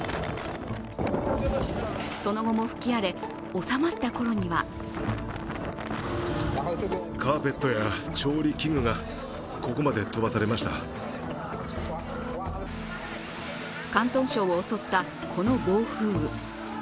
その後も吹き荒れ、収まったころには広東省を襲った、この暴風雨。